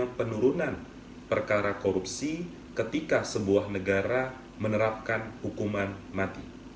dan penurunan perkara korupsi ketika sebuah negara menerapkan hukuman mati